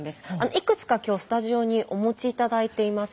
いくつか今日スタジオにお持ち頂いています。